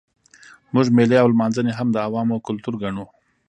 موږ مېلې او لمانځنې هم د عوامو کلتور ګڼو.